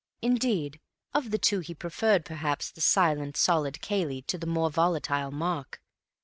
Indeed, of the two he preferred, perhaps, the silent, solid Cayley to the more volatile Mark.